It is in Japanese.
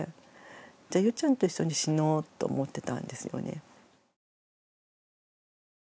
じゃあゆうちゃんと一緒に死のうと思ってたんですよね。